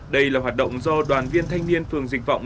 đây là hoạt động do đoàn viên thanh niên phường dịch vọng